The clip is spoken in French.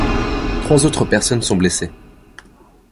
Trois autres personnes sont blessées.